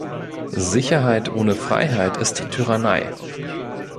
Sicherheit ohne Freiheit ist Tyrannei.